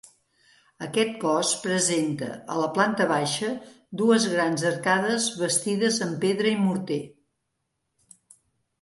Aquest cos presenta, a la planta baixa, dues grans arcades bastides amb pedra i morter.